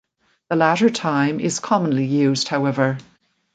The latter time is commonly used however.